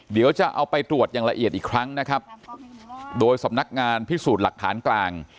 เดี๋ยวจะเอาไปตรวจอย่างละเอียดอีกครั้งนะครับโดยสำนักงานพิสูจน์หลักฐานกลาง